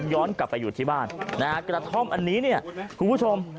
ย้อนกลับไปอยู่ที่บ้านนะฮะกระท่อมอันนี้เนี่ยคุณผู้ชม